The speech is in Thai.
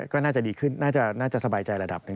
ก็น่าจะดีขึ้นน่าจะสบายใจระดับหนึ่ง